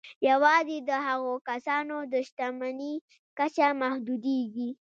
یوازې د هغو کسانو د شتمني کچه محدودېږي